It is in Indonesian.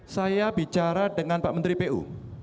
saya bicara dengan pak menteri pu